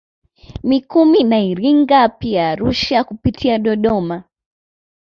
Mikumi na Iringa pia Arusha kupitia Dodoma